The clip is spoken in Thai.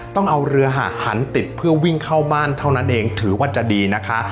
ต้องเอาเรือหะหันติดเพื่อวิ่งเข้าบ้านเท่านั้นเองถือว่าจะดีนะคะ